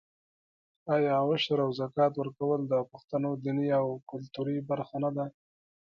آیا عشر او زکات ورکول د پښتنو دیني او کلتوري برخه نه ده؟